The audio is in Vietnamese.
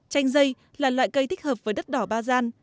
chanh dây là loại cây thích hợp với đất đỏ ba gian